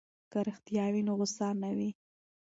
که رښتیا وي نو غوسه نه وي.